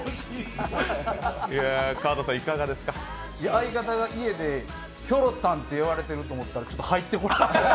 相方が家でひょろたんって言われてると思ったらちょっと入ってこなかったです。